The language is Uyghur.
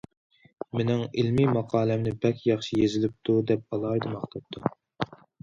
مېنىڭ ئىلمىي ماقالەمنى بەك ياخشى يېزىلىپتۇ، دەپ ئالاھىدە ماختاپتۇ.